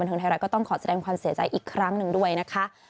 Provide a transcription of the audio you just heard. ทางไทยรัฐก็ต้องขอแสดงความเสียใจอีกครั้งหนึ่งด้วยนะคะ